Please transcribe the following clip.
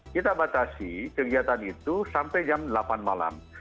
kita batasi kegiatan itu sampai jam delapan malam